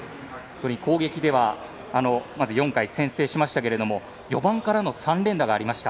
攻撃では、４回先制しましたけれど、４番からの３連打がありました。